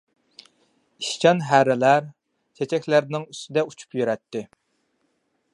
ئىشچان ھەرىلەر چېچەكلەرنىڭ ئۈستىدە ئۇچۇپ يۈرەتتى.